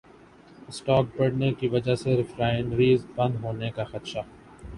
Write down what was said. stock بڑھنے کی وجہ سے ریفائنریز بند ہونے کا خدشہ